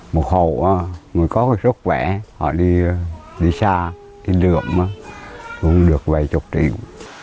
một hồ người có cái sức khỏe họ đi xa đi lượm cũng được vài chục triệu